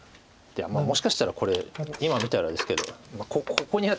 もしかしたらこれ今見たらですけど。